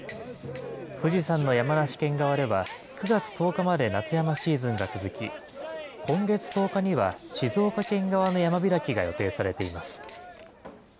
富士山の山梨県側では９月１０日まで夏山シーズンが続き、今月１０日には静岡県側の山開きが予定されています。